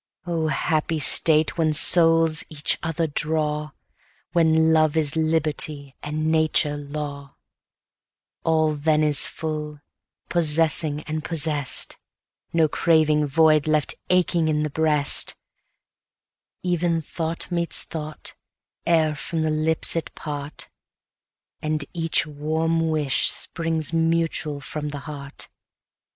90 Oh, happy state! when souls each other draw, When love is liberty, and nature law: All then is full, possessing and possess'd, No craving void left aching in the breast: Even thought meets thought, ere from the lips it part, And each warm wish springs mutual from the heart.